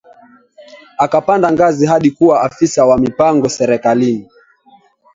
Akapanda ngazi hadi kuwa afisa wa mipango serikalini